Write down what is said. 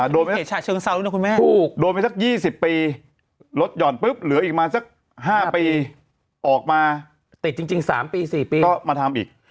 โดนไปสัก๒๐ปีรถหย่อนปุ๊บเหลืออีกมาสัก๕ปีออกมาติดจริง๓ปี๔ปีก็มาทำอีก